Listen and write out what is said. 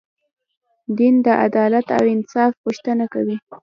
دین د عدالت او انصاف غوښتنه کوي.